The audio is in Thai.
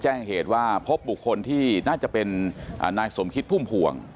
แจ้งเหตุว่าพบบุคคลที่น่าจะเป็นนายสมคิดพุ่มพวง